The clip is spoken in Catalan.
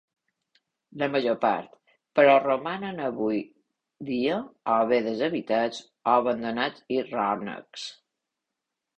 La major part, però, romanen avui dia o bé deshabitats o abandonats i rònecs.